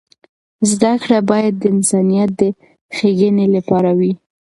زده کړه باید د انسانیت د ښیګڼې لپاره وي.